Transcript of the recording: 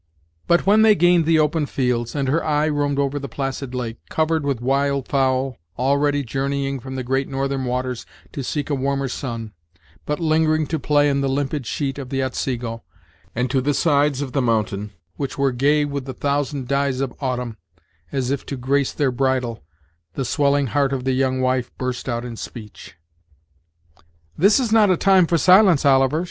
But when they gained the open fields, and her eye roamed over the placid lake, covered with wild fowl already journeying from the great northern waters to seek a warmer sun, but lingering to play in the limpid sheet of the Otsego, and to the sides of the mountain, which were gay with the thousand dyes of autumn, as if to grace their bridal, the swelling heart of the young wife burst out in speech. "This is not a time for silence, Oliver!"